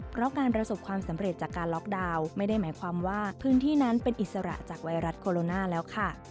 เพราะการประสบความสำเร็จจากการล็อกดาวน์ไม่ได้หมายความว่าพื้นที่นั้นเป็นอิสระจากไวรัสโคโรนาแล้วค่ะ